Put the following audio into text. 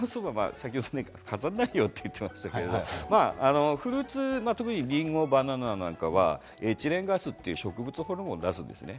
先ほど飾らないよと言っていましたけどフルーツ特にりんごやバナナはエチレンガスという植物ホルモンを出すんですね。